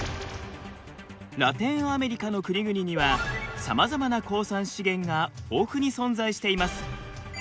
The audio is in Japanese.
ラテンアメリカの国々にはさまざまな鉱産資源が豊富に存在しています。